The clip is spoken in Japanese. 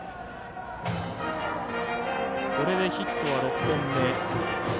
これでヒットは６本目。